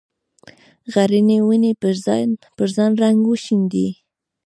غرنې ونې پر ځان رنګ وشیندي